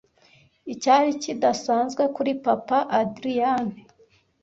Icyari kidasanzwe kuri Papa Adrian